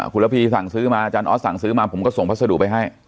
คุณระพีสั่งซื้อมาอาจารย์ออสสั่งซื้อมาผมก็ส่งพัสดุไปให้